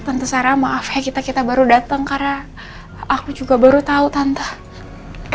tentu sarah maaf ya kita kita baru datang karena aku juga baru tahu tante